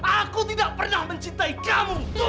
aku tidak pernah mencintai kamu